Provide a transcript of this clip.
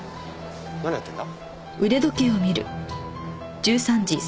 何やってるんだ？